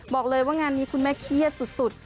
บอกเลยว่างานนี้คุณแม่เครียดสุด